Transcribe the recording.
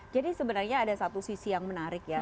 jadi sebenarnya ada satu sisi yang menarik ya